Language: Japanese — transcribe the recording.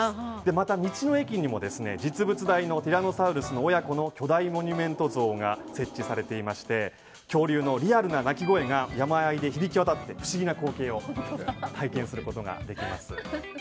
また道の駅にも実物大のティラノサウルスの親子の巨大モニュメント像が設置されていまして恐竜のリアルな鳴き声が山間に響き渡って不思議な光景を体験することができます。